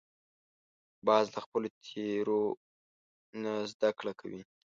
باز له خپلو تېرو نه زده کړه کوي